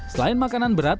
selain makanan berat